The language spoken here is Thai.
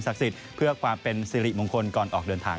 สักสิทธิ์เพื่อความเป็นสิริมงคลในการเดินทาง